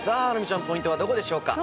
ちゃんポイントはどこでしょうか？